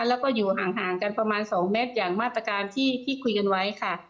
แล้วก็อยู่ห่างกันประมาณ๒เมตรอย่างมาตรการที่คุยกันไว้ค่ะ